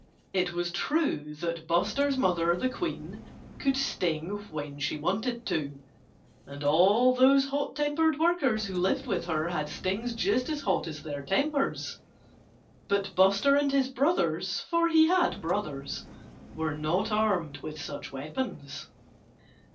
It was true that Buster's mother, the Queen, could sting when she wanted to. And all those hot tempered workers who lived with her had stings just as hot as their tempers. But Buster and his brothers (for he had brothers) were not armed with such weapons.